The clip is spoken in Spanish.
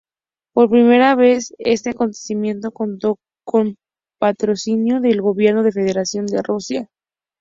Por primera vez este acontecimiento contó con patrocinio del Gobierno de Federación de Rusia.